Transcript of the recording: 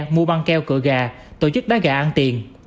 mua băng keo cựa gà tổ chức đá gà ăn tiền